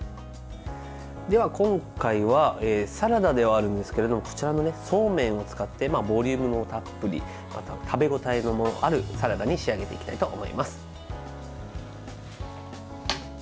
では今回はサラダではあるんですけれどもこちらのそうめんを使ってボリュームもたっぷり食べ応えもあるサラダに仕上げていきたいと思います。